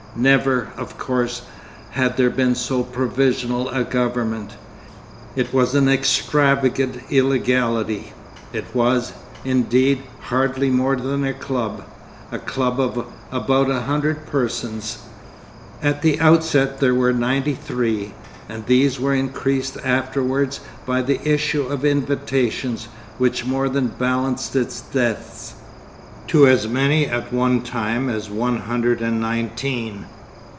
Never, of course, had there been so provisional a government. It was of an extravagant illegality. It was, indeed, hardly more than a club, a club of about a hundred persons. At the outset there were ninety three, and these were increased afterwards by the issue of invitations which more than balanced its deaths, to as many at one time as one hundred and nineteen.